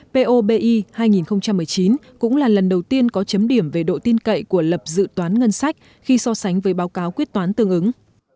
po bi hai nghìn một mươi chín cũng là lần đầu tiên có chấm điểm về độ tin cậy của lập dự toán ngân sách khi so sánh với báo cáo quyết toán tương ứng